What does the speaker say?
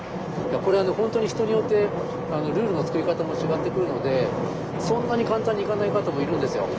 これ本当に人によってルールの作り方も違ってくるのでそんなに簡単にいかない方もいるんですよ。